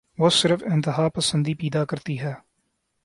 وہ صرف انتہا پسندی پیدا کرتی ہے۔